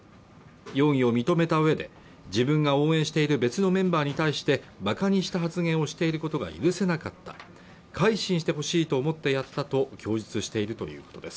容疑を認めた上で自分が応援している別のメンバーに対してバカにした発言をしていることが許せなかった改心してほしいと思ってやったと供述しているということです